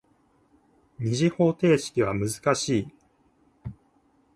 二次方程式は難しい。